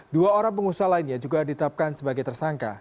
dua orang pengusaha lainnya juga ditetapkan sebagai tersangka